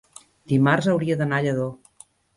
dimarts hauria d'anar a Lladó.